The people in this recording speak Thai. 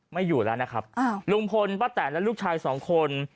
ไม่อยู่แล้วนะครับลุงพลป้าแตนและลูกชายสองคน